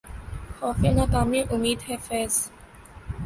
خوف ناکامئ امید ہے فیضؔ